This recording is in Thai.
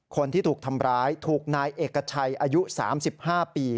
คนที่ถูกทำร้ายถูกนายเอกชัยอายุ๓๕ปี